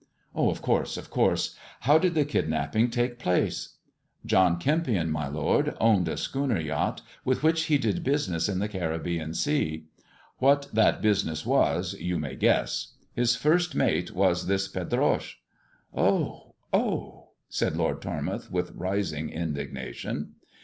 " Of course ! of course ! How did the kidnapping take place 1" " John Kempion, my lord, owned a schooner yacht with which he did business in the Caribbean Sea. What that business was you may guess. His first mate was this Pedroche." " Oh ! oh !" said Lord Tormouth, with rising indignation.